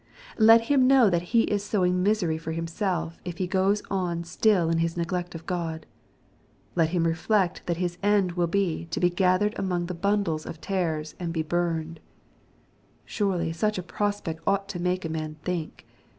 Let him know that he is sowing misery for himself, if he goes on still in his neglect of God. Let him reflect that his end will be to be gathered among the " bundles" of tares, and be burned. Surely such a prospect ought to make a man think.